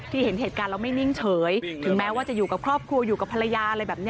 เห็นเหตุการณ์แล้วไม่นิ่งเฉยถึงแม้ว่าจะอยู่กับครอบครัวอยู่กับภรรยาอะไรแบบนี้